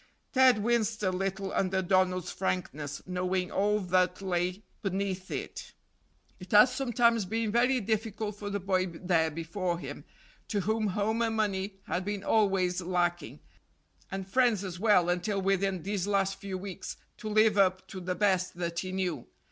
Ted winced a little under Donald's frankness, knowing all that lay beneath it. It had sometimes been very difficult for the boy there before him, to whom home and money had been always lacking, and friends as well until within these last few weeks, to live up to the best that he knew.